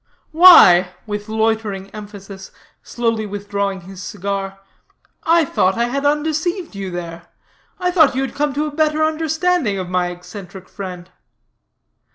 "Why," with loitering emphasis, slowly withdrawing his cigar, "I thought I had undeceived you there. I thought you had come to a better understanding of my eccentric friend."